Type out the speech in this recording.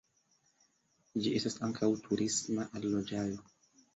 Ĝi estas ankaŭ turisma allogaĵo.